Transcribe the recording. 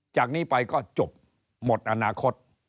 จากนี้ไปก็จบหมดอนาคต